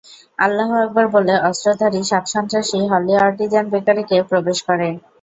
আল্লাহ আকবর বলে অস্ত্রধারী সাত সন্ত্রাসী হলি আর্টিজান বেকারীকে প্রবেশ করে।